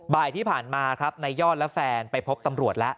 บ่ายที่ผ่านมาครับนายยอดและแฟนไปพบตำรวจแล้ว